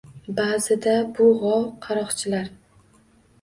Baʼzida bu g‘ov – qaroqchilar.